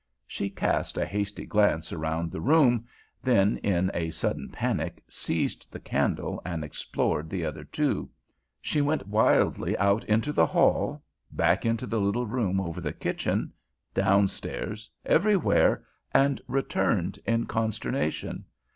She cast a hasty glance around the room, then, in a sudden panic, seized the candle and explored the other two. She went wildly out into the hall, back into the little room over the kitchen, downstairs, everywhere, and returned in consternation.